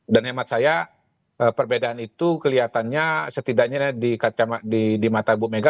dan hemat saya perbedaan itu kelihatannya setidaknya di mata ibu mega